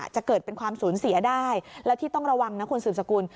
จะเกิดเป็นความสูญเสียได้แล้วที่ต้องระวังนะคุณสืบสกุล